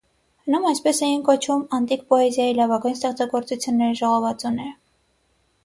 Հնում այսպես էին կոչում անտիկ պոեզիայի լավագույն ստեղծագործությունների ժողովածուները։